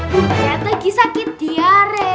buat nyatagi sakit diare